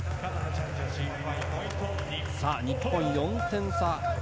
日本、４点差。